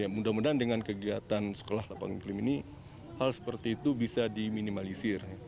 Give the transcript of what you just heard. mudah mudahan dengan kegiatan sekolah lapangan iklim ini hal seperti itu bisa diminimalisir